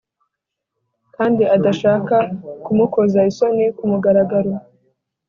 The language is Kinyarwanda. kandi adashaka kumukoza isoni ku mugaragaro,